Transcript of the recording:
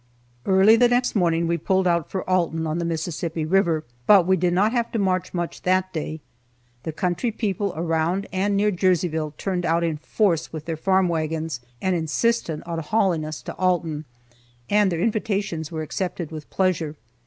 Early the next morning we pulled out for Alton, on the Mississippi River. But we did not have to march much that day. The country people around and near Jerseyville turned out in force with their farm wagons, and insisted on hauling us to Alton, and their invitations were accepted with pleasure.